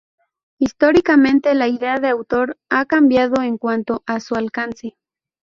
Históricamente, la idea de autor ha cambiado en cuanto a su alcance.